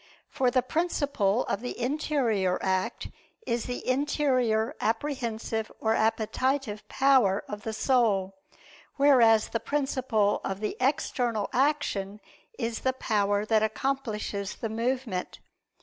For the principle of the interior act is the interior apprehensive or appetitive power of the soul; whereas the principle of the external action is the power that accomplishes the movement.